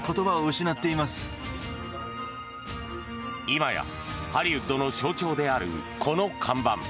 今やハリウッドの象徴であるこの看板。